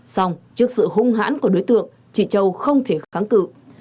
xong trước sự hung hãn của đối tượng chị châu không thể kháng cự